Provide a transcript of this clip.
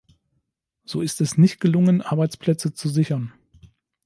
So ist es nicht gelungen, Arbeitsplätze zu sichern.